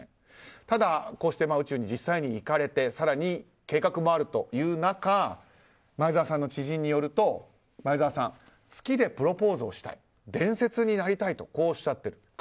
ただ、こうして宇宙に実際に行かれて更に計画もあるという中前澤さんの知人によると前澤さんは月でプロポーズをしたい伝説になりたいとおっしゃっている。